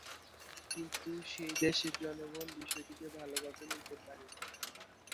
কিন্তু সেই দেশের জনগণ বিষয়টিকে ভালোভাবে নিতে পারেনি।